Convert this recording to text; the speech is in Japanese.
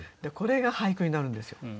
これが俳句になるんですよ。